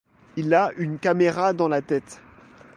Il a une caméra dans la tête.